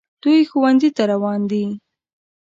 دوی ښوونځي ته روان دي